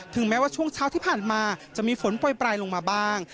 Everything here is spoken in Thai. ถึงแม้ว่าช่วงเช้าที่ผ่านมาจะมีฝนปล่อยลงมาบาง